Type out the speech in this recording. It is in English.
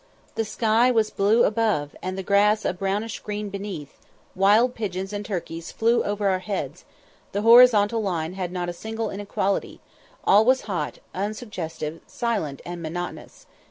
The sky was blue above, and the grass a brownish green beneath; wild pigeons and turkeys flew over our heads; the horizontal line had not a single inequality; all was hot, unsuggestive, silent, and monotonous.